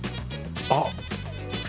あっ！